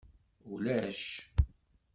Ulac.